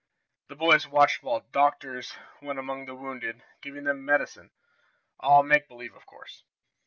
The boys watched while "doctors" went among the "wounded," giving them "medicine," all make believe, of course.